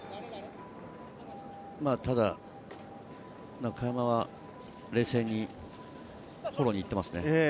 中山は冷静にフォローに行っていますね。